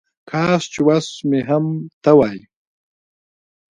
کاش چې وس هم ته وای